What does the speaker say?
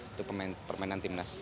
untuk permainan timnas